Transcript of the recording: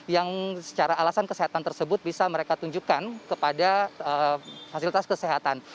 yang secara alasan kesehatan tersebut bisa mereka tunjukkan kepada fasilitas kesehatan